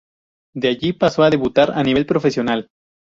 De allí pasó a debutar a nivel profesional.